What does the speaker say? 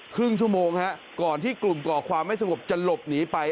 ครึ่งชั่วโมงฮะก่อนที่กลุ่มก่อความไม่สงบจะหลบหนีไป